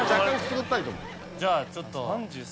じゃあちょっと。